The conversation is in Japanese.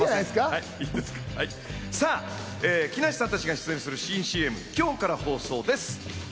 木梨さんたちが出演する新ＣＭは今日から放送です。